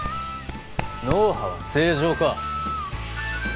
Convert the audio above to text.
脳波は正常か？